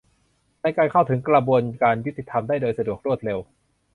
ในการเข้าถึงกระบวนการยุติธรรมได้โดยสะดวกรวดเร็ว